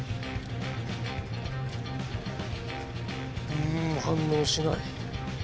うん反応しない。